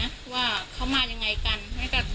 แต่พอเห็นว่าเหตุการณ์มันเริ่มเข้าไปห้ามทั้งคู่ให้แยกออกจากกัน